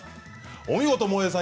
お見事、もえさん。